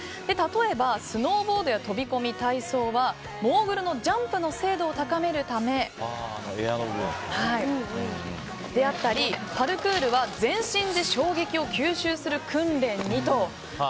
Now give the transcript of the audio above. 例えばスノーボードや飛込、体操はモーグルのジャンプの精度を高めるためであったりパルクールは全身で衝撃を吸収する訓練にと。